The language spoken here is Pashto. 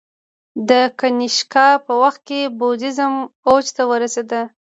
د کنیشکا په وخت کې بودیزم اوج ته ورسید